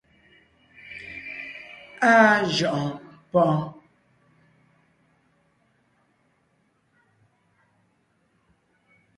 Áa jʉʼɔɔn páʼɔɔn.